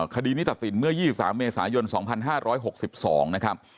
คดีนี้ตัดสินเมื่อ๒๓เมษายน๒๕๖๒นะครับ